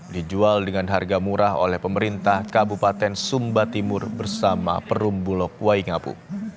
dijual dengan harga murah oleh pemerintah kabupaten sumba timur bersama perumbulok waingapu